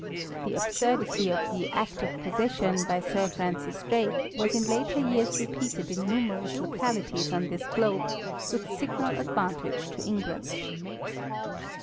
The absurdity of the "act of possession " by Sir Francis Drake was in later years repeated in numerous localities on this globe with signal advantage to England.